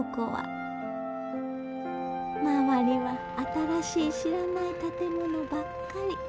周りは新しい知らない建物ばっかり。